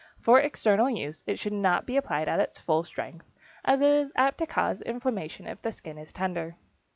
For external use it should not be applied at full strength, as it is apt to cause inflammation if the skin is tender.